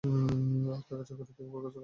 আর তাকে চাকরি থেকে বরখাস্ত করা হয়।